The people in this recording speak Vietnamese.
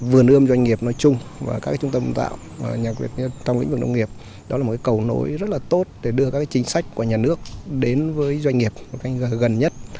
vườn ưm doanh nghiệp nói chung và các trung tâm ưm tạo trong lĩnh vực nông nghiệp đó là một cầu nối rất là tốt để đưa các chính sách của nhà nước đến với doanh nghiệp gần nhất